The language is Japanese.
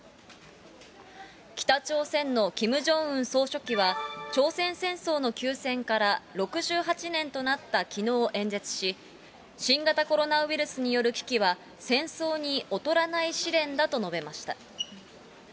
北朝鮮のキム・ジョンウン総書記は、朝鮮戦争の休戦から６８年となったきのう、演説し、新型コロナウイルスによる危機は、戦争に劣らない試練だと述べました。